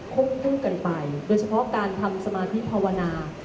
วบคู่กันไปโดยเฉพาะการทำสมาธิภาวนา